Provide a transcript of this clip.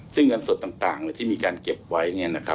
ซึ่งเงินสดต่างที่มีการเก็บไว้